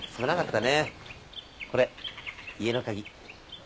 これ家の鍵。